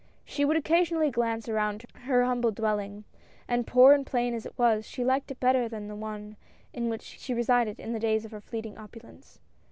She would occasion ally glance around her humble dwelling, and poor and plain as it was, she liked it better than the one in which she resided in the days of her fleeting opulence.